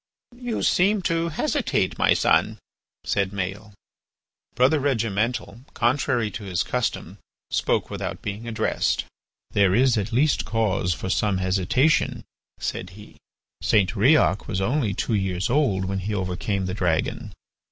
"You seem to hesitate, my son," said Maël. Brother Regimental, contrary to his custom, spoke without being addressed. "There is at least cause for some hesitation," said he. "St. Riok was only two years old when he overcame the dragon.